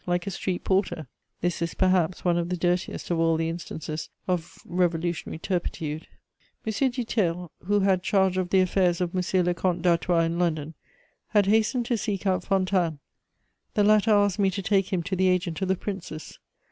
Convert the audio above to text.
like a street porter: this is, perhaps, one of the dirtiest of all the instances of revolutionary turpitude. [Sidenote: Emigrant society.] M. du Theil, who had charge of the affairs of M. le Comte d'Artois in London, had hastened to seek out Fontanes; the latter asked me to take him to the agent of the Princes.